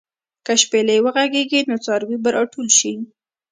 که شپېلۍ وغږېږي، نو څاروي به راټول شي.